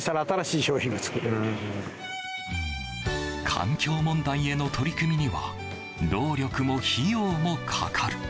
環境問題への取り組みには労力も費用もかかる。